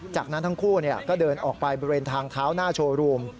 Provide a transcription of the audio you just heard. จากนั้นทั้งคู่ก็เดินออกไปบริเวณทางเท้าหน้าโชว์รูม